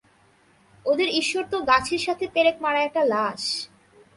ওদের ঈশ্বর তো গাছের সাথে পেরেক মারা একটা লাশ।